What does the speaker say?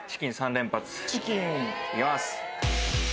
行きます。